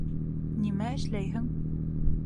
Нимә эшләйһең?